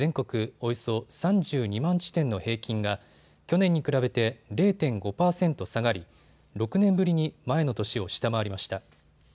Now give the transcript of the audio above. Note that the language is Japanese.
およそ３２万地点の平均が去年に比べて０．５％下がり、６年ぶりに前の年を下回りました。